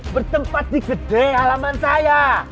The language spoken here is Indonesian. bertempat di gede halaman saya